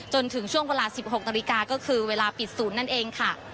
จนถึงช่วงเวลา๑๖นาฬิกาก็คือเวลาปิดศูนย์นั่นเองค่ะ